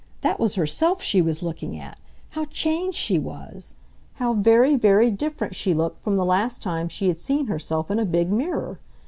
That was herself she was looking at! How changed she was! How very, very different she looked from the last time she had seen herself in a big mirror!